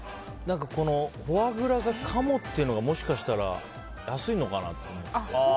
フォアグラがカモっていうのがもしかしたら安いのかなと思って。